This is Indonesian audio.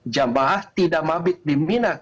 jamaah tidak mabit di mina